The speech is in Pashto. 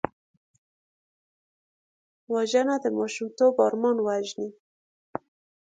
وژنه د ماشومتوب ارمان وژني